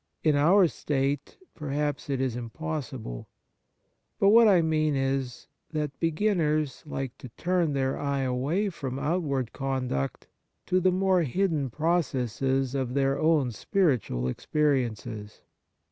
In our state perhaps it is im possible. But what I mean is, that be ginners like to turn their eye away from outward conduct to the more hidden processes of their own spiritual experiences.